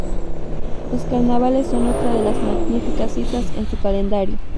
Los carnavales son otra de las magníficas citas en su calendario.